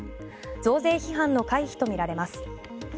増税批判の回避とみられます。